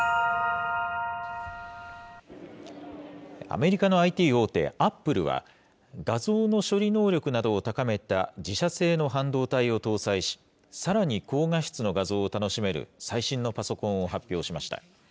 アメリカのＩＴ大手、アップルは、画像の処理能力などを高めた自社製の半導体を搭載し、さらに高画質の画像を楽しめる最新のパソコンを発表しました。